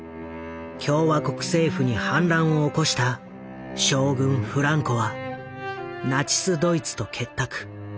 共和国政府に反乱を起こした将軍フランコはナチスドイツと結託。